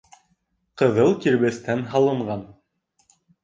Ҡыҙыл кирбестән һалынған.